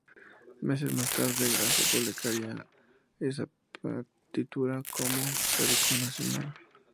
Meses más tarde, Grasso Publicaría a esa partitura como "Pericón Nacional".